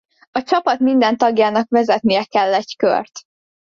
A csapat minden tagjának vezetnie kell egy kört.